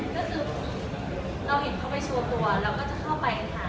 ก็คือเราเห็นเขาไปโชว์ตัวเราก็จะเข้าไปค่ะ